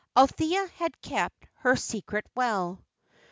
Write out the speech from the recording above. Althea had kept her secret well.